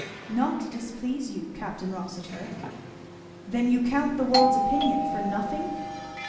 "Not to displease you, Capt. Rossitur." "Then you count the world's opinion for nothing?"